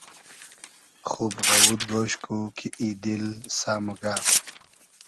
خوب غئوود گۉش کو کی ای دیل سۂ موگۂ